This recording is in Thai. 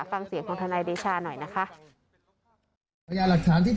ฟังเสียงของทนายเดชาหน่อยนะคะ